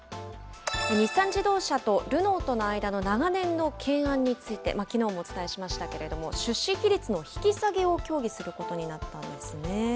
日産自動車とルノーとの間の長年の懸案について、きのうもお伝えしましたけれども、出資比率の引き下げを協議することになったんですね。